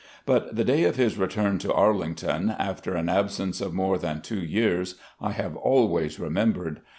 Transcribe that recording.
But the day of his return to Arlington, after an absence of more than two years, I have always remembered.